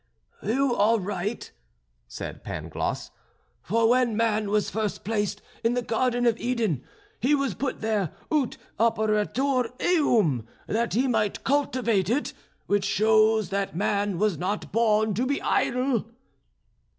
"You are right," said Pangloss, "for when man was first placed in the Garden of Eden, he was put there ut operaretur eum, that he might cultivate it; which shows that man was not born to be idle."